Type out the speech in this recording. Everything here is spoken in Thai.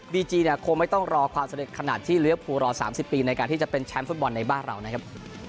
ีจีเนี่ยคงไม่ต้องรอความสำเร็จขนาดที่เลี้ยภูรอ๓๐ปีในการที่จะเป็นแชมป์ฟุตบอลในบ้านเรานะครับ